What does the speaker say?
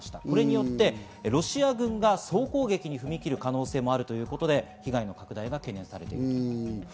これによってロシア軍が総攻撃に踏み切る可能性もあるということで、被害の拡大が懸念されています。